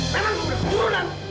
memang itu sudah turunan